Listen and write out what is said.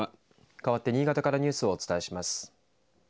かわって新潟からニュースをお伝えします。